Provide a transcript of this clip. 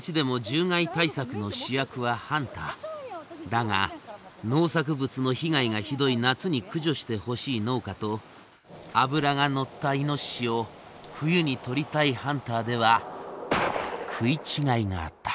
だが農作物の被害がひどい夏に駆除してほしい農家と脂が乗ったイノシシを冬にとりたいハンターでは食い違いがあった。